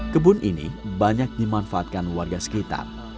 kebun ini banyak dimanfaatkan warga sekitar